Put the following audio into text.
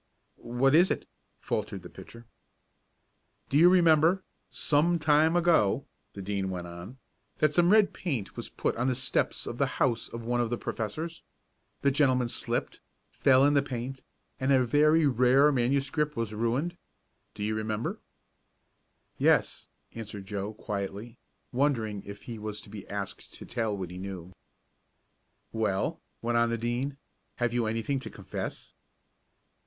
"What is it?" faltered the pitcher. "Do you remember, some time ago," the Dean went on, "that some red paint was put on the steps of the house of one of the professors? The gentleman slipped, fell in the paint, and a very rare manuscript was ruined. Do you remember?" "Yes," answered Joe quietly, wondering if he was to be asked to tell what he knew. "Well," went on the Dean, "have you anything to confess?"